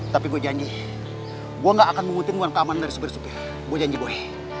tapi gua janji gua gak akan mengutip uang keamanan dari sopir sopir gua janji boy